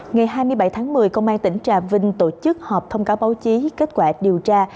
ngày hai mươi bảy tháng một mươi công an tỉnh trà vinh tổ chức họp thông cáo báo chí kết quả điều tra